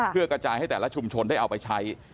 เพื่อกระจายให้แต่ละชุมชนได้เอาไปใช้